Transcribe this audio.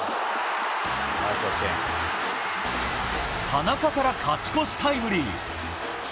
田中から勝ち越しタイムリー。